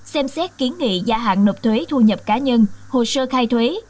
xem xét kiến nghị gia hạn nộp thuế thu nhập cá nhân hồ sơ khai thuế